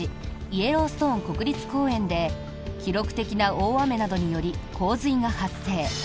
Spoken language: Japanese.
イエローストン国立公園で記録的な大雨などにより洪水が発生。